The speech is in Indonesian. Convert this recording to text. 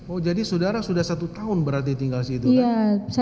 oh jadi saudara sudah satu tahun berarti tinggal di situ kan